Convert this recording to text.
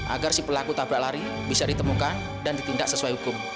agar si pelaku tabrak lari bisa ditemukan dan ditindak sesuai hukum